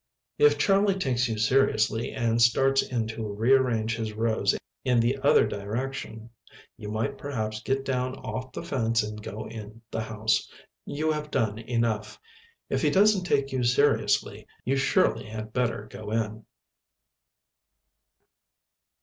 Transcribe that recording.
If Charlie takes you seriously and starts in to rearrange his rows in the other direction, you might perhaps get down off the fence and go in the house. You have done enough. If he doesn't take you seriously, you surely had better go in.